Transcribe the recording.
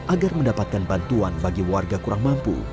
agar mendapatkan bantuan bagi warga kurang mampu